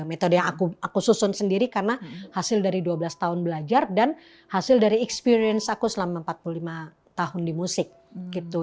metode yang aku susun sendiri karena hasil dari dua belas tahun belajar dan hasil dari experience aku selama empat puluh lima tahun di musik gitu